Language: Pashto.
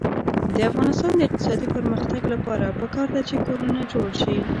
د افغانستان د اقتصادي پرمختګ لپاره پکار ده چې کورونه جوړ شي.